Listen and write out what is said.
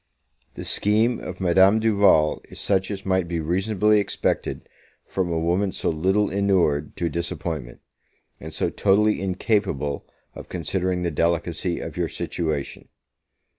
The scheme of Madame Duval is such as might be reasonably expected from a woman so little inured to disappointment, and so totally incapable of considering the delicacy of your situation.